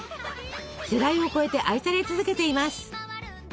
世代を超えて愛され続けています。